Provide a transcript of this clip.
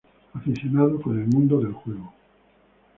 Aficionado con el mundo del juego.